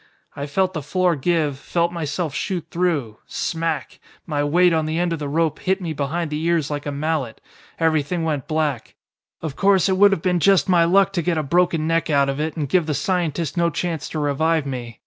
"I felt the floor give, felt myself shoot through. Smack! My weight on the end of the rope hit me behind the ears like a mallet. Everything went black. Of course it would have been just my luck to get a broken neck out of it and give the scientist no chance to revive me.